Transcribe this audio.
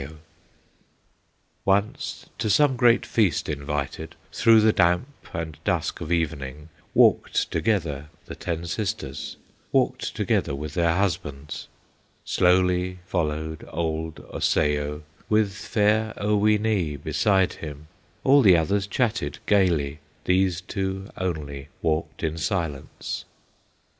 "Once to some great feast invited, Through the damp and dusk of evening, Walked together the ten sisters, Walked together with their husbands; Slowly followed old Osseo, With fair Oweenee beside him; All the others chatted gayly, These two only walked in silence.